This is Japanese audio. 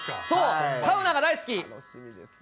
そう、サウナが大好き。